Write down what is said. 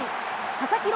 佐々木朗